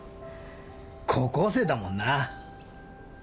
高校生だもんな！